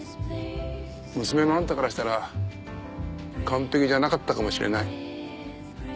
娘のあんたからしたら完璧じゃなかったかもしれない。